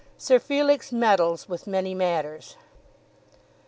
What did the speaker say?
SIR FELIX MEDDLES WITH MANY MATTERS.